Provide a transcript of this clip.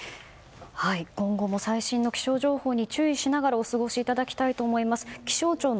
今後も最新の気象情報に気を付けながらお過ごしいただきたいと思います。